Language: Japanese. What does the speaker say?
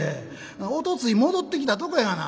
おとつい戻ってきたとこやがな。